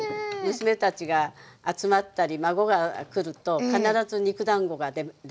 娘たちが集まったり孫が来ると必ず肉だんごが出ます。